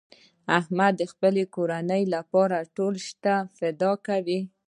احمد د خپلې کورنۍ لپاره ټول شته فدا کوي.